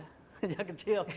hanya kecil gitu